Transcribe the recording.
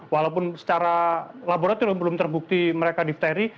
walaupun secara laboratorium belum terbukti mereka difteri